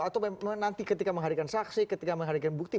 atau memang nanti ketika mengharikan saksi ketika mengharikan bukti